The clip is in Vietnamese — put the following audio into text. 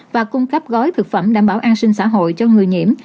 và cung cấp gói thực phẩm đảm bảo an sinh xã hội cho người nhiễm